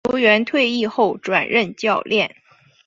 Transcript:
球员退役后转任教练。